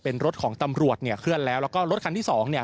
เป็นรถของตำรวจเนี่ยเคลื่อนแล้วแล้วก็รถคันที่สองเนี่ย